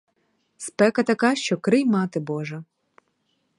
Спека така, що крий мати божа!